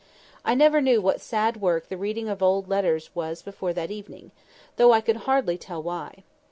I never knew what sad work the reading of old letters was before that evening, though I could hardly tell why.